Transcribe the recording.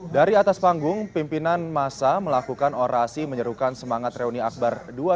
dari atas panggung pimpinan masa melakukan orasi menyerukan semangat reuni akbar dua ratus dua belas